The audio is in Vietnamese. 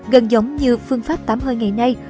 gần giống như phương pháp tắm hơi ngày nay